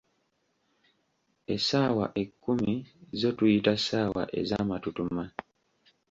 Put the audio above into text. Essaawa ekkumi zo tuziyita "ssaawa ezamatutuma"